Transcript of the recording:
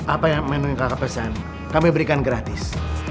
apa yang menu yang kakak pesan kami berikan gratis